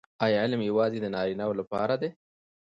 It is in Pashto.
آیا علم یوازې د نارینه وو لپاره دی؟